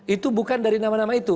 itu bukan dari nama nama itu